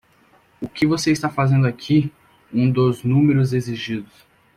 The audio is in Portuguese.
"O que você está fazendo aqui?" um dos números exigidos.